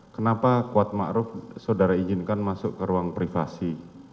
kenapa kuat ma'ruf saudara izinkan masuk ke ruang privasi